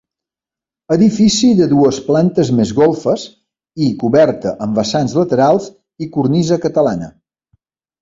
Edifici de dues plantes més golfes i coberta amb vessants laterals i cornisa catalana.